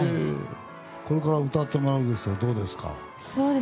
これから歌ってもらいますけどどうですか？